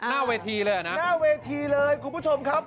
หน้าเวทีเลยอ่ะนะหน้าเวทีเลยคุณผู้ชมครับ